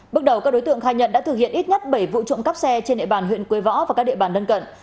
bước đầu các đối tượng khai nhận đã thực hiện ít nhất bảy vụ trộm cắp xe trên địa bàn huyện quế võ và các địa bàn lân cận